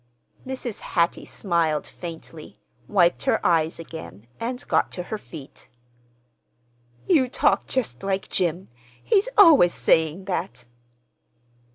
Mrs. Hattie smiled faintly, wiped her eyes again, and got to her feet. "You talk just like Jim. He's always saying that."